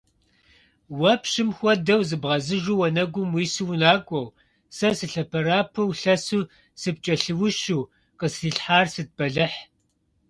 Уэ пщым хуэдэу зыбгъэзыжу уанэгум уису унакӀуэу, сэ сылъэпэрапэу лъэсу сыпкӀэлъыущу, къыстрилъхьар сыт бэлыхь?